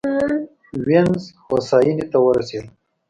وینز هوساینې ته ورسېد.